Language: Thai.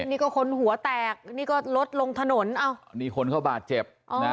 นี่ก็คนหัวแตกนี่ก็ลดลงถนนเอ้านี่คนเขาบาดเจ็บนะ